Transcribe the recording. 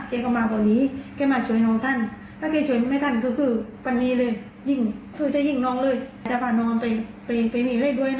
ใครก็มาโกรธนี้ได้มาช่วยนางท่านแม่ท่านคือกันนี้เลย